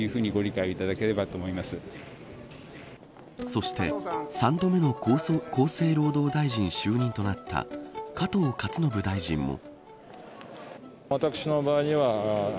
そして、３度目の厚生労働大臣就任となった加藤勝信大臣も。